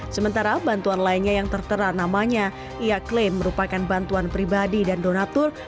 sementara bantuan lainnya yang tertera namanya ia klaim merupakan bantuan pribadi dan donatur